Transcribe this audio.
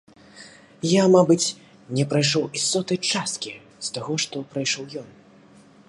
Я, мабыць, не прайшоў і сотай часткі з таго, што прайшоў ён.